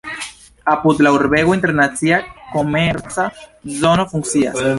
Apud la urbego internacia komerca zono funkcias.